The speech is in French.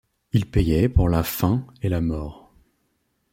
Il payait pour la faim et la mort.